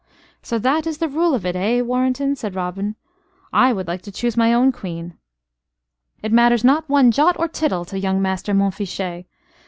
"So that is the rule of it, eh, Warrenton?" said Robin. "I would like to choose my own Queen " "It matters not one jot or tittle to young Master Montfichet.